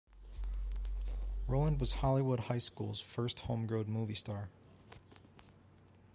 Roland was Hollywood High School's first homegrown movie star.